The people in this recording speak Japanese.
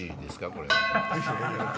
これ。